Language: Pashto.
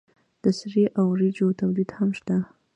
د سرې او وریجو تولید هم شته.